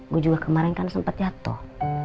gue juga kemarin kan sempat jatuh